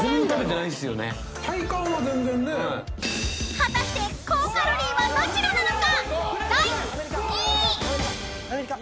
［果たして高カロリーはどちらなのか？］